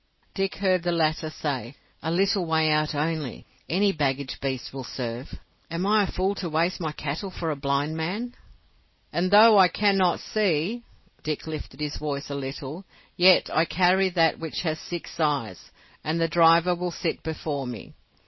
Dick heard the latter say: "A little way out only. Any baggage beast will serve. Am I a fool to waste my cattle for a blind man?" "And though I cannot see'—Dick lifted his voice a little—"yet I carry that which has six eyes, and the driver will sit before me.